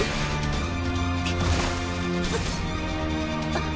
あっ。